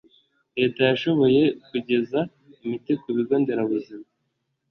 leta yashoboye kugeza imiti ku bigo nderabuzima